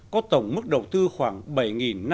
có tổng mức đầu tư khoảng